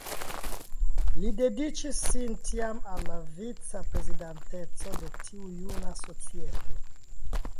Li dediĉis sin tiam al la vica-prezidanteco de tiu juna societo.